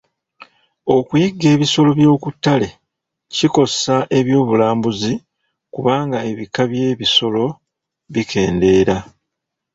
Okuyigga ebisolo by'okuttale kikosa ebyobulambuuzi kubanga ebika by'ebisolo bikeendera.